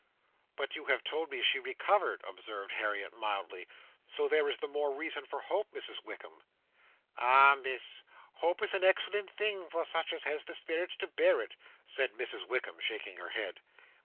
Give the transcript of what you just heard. "But you have told me she recovered," observed Harriet mildly; "so there is the more reason for hope, Mrs Wickam." "Ah, Miss, hope is an excellent thing for such as has the spirits to bear it!" said Mrs Wickam, shaking her head.